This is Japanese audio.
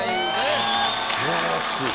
素晴らしい。